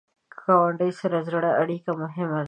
ګاونډي سره د زړه اړیکه مهمه ده